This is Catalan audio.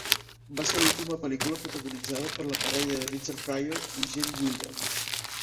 Va ser l'última pel·lícula protagonitzada per la parella de Richard Pryor i Gene Wilder.